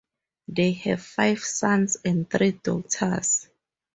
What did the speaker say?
They have five sons and three daughters.